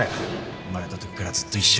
生まれたときからずっと一緒